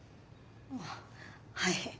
あっはい。